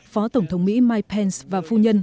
phó tổng thống mỹ mike pence và phu nhân